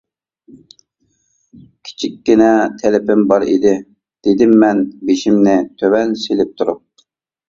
«كىچىككىنە تەلىپىم بار ئىدى. » دېدىممەن بېشىمنى تۆۋەن سېلىپ تۇرۇپ.